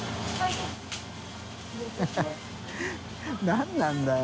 何なんだよ